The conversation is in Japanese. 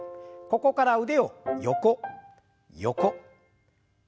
ここから腕を横横前前。